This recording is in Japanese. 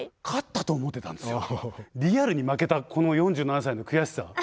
リアルに負けたこの４７歳の悔しさ。